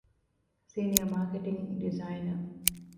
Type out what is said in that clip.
ސީނިއަރ މާކެޓިންގ ޑިޒައިނަރ